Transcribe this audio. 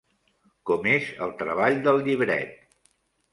Com és el treball del llibret?